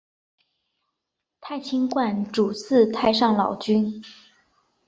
太清观主祀太上老君。